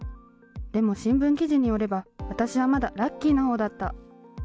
でも新聞記事によれば、私はまだラッキーなほうだった。